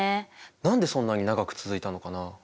何でそんなに長く続いたのかな？